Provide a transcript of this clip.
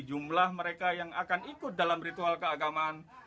jumlah mereka yang akan ikut dalam ritual keagamaan